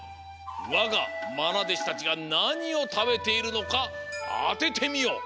わがまなでしたちがなにをたべているのかあててみよ。